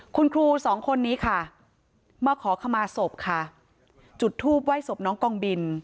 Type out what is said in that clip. คุณครูสองคนนี้ค่ะมาขอขมาศพค่ะจุดทูปไหว้ศพน้องกองบิน